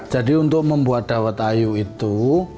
jadi untuk membuat dawat ayu itu